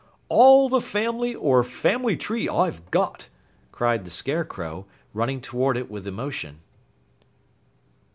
"All the family or family tree I've got!" cried the Scarecrow, running toward it with emotion.